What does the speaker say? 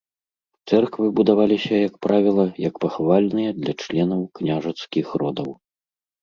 Цэрквы будаваліся, як правіла, як пахавальныя для членаў княжацкіх родаў.